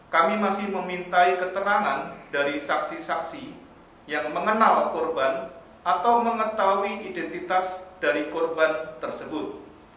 kami masih memintai keterangan dari saksi saksi yang mengenal korban atau mengetahui identitas dari korban tersebut